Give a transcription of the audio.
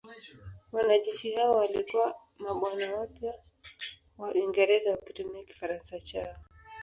Wanajeshi hao walikuwa mabwana wapya wa Uingereza wakitumia Kifaransa chao.